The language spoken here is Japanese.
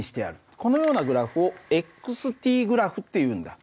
このようなグラフを−ｔグラフっていうんだ。